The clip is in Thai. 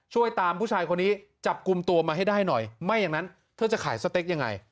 ช่วยตามผู้ชายคนนี้จับกลุ่มตัวมาให้ได้หน่อยไม่อย่างนั้นเธอจะขายสเต็กยังไง